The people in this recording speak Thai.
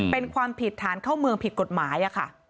เป็นความผิดฐานเข้าเมืองผิดกฎหมายค่ะ